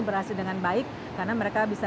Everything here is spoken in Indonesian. berhasil dengan baik karena mereka bisa